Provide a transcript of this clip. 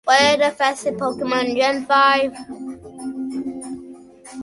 The nest cavity is not reused.